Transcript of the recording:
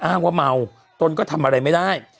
อ้างว่าเมาตนก็ทำอะไรไม่ได้